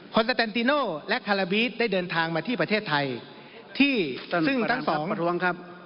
คอนเซตแตนติโนและคาราบีทได้เดินทางมาที่ประเทศไทยที่ซึ่งทั้งสอง